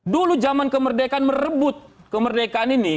dulu zaman kemerdekaan merebut kemerdekaan ini